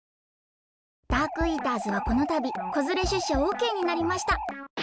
ダークイーターズはこのたびこづれしゅっしゃオッケーになりました。